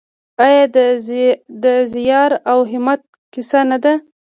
آیا د زیار او همت کیسه نه ده؟